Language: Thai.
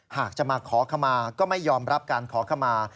หากจะมาขอขมาก็ไม่ยอมรับการขอขมา